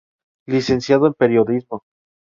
Licenciado en Periodismo.